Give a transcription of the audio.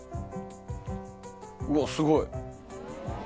うわっすごい！